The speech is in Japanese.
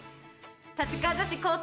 立川女子高等学校。